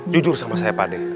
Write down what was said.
jujur sama saya pade